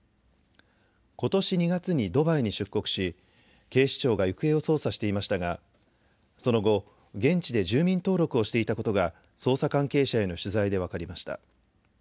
ことし２月にドバイに出国し警視庁が行方を捜査していましたが、その後、現地で住民登録をしていたことが捜査関係者への取材で分かりました。